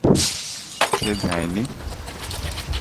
সে যায় নি?